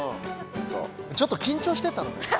ちょっと緊張してた？